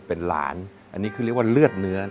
เป็นหลานอันนี้คือเรียกว่าเลือดเนื้อ